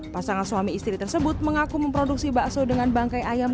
pasangan suami istri tersebut mengaku memproduksi bakso dengan bangkai ayam